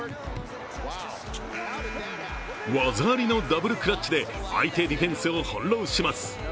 技ありのダブルクラッチで相手ディフェンスを翻弄します。